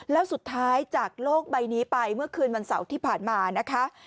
แล้วสุดท้ายจากโลกใบนี้ไปเมื่อคืนวันเสาร์ที่ผ่านมานะคะ